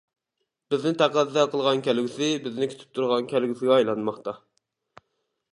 بىزنى تەقەززا قىلغان كەلگۈسى بىزنى كۈتۈپ تۇرغان كەلگۈسىگە ئايلانماقتا!